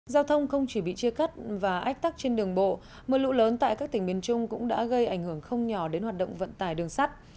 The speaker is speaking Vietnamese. giao thông không chỉ bị chia cắt và ách tắc trên đường bộ mưa lũ lớn tại các tỉnh miền trung cũng đã gây ảnh hưởng không nhỏ đến hoạt động vận tải đường sắt